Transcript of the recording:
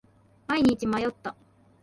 毎日迷った。